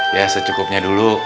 ya secukupnya dulu